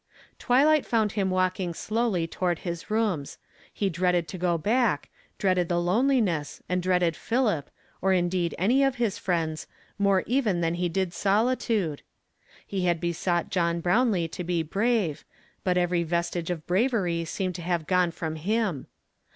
Twilight found him walking slowly toward his rooms ; he dreaded to go back, dreaded the loneli ness, and dreaded Philip, or indeed, any of his friends, more even than he did solitude. He had besought John Brownlee to be brave, but every vestige of bravery seemed to have gone from him.